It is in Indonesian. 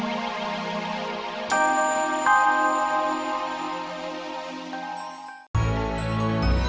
jika aku bersalah